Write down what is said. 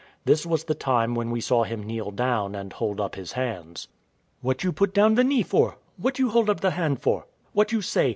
This was the time when we saw him kneel down and hold up his hands.] Wife. What you put down the knee for? What you hold up the hand for? What you say?